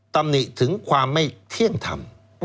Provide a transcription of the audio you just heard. ตำหนิถึงความไม่เที่ยงธรรม